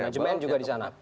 ada manajemen juga disana